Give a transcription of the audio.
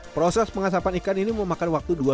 proses pengasapan ikan ini juga sangat mudah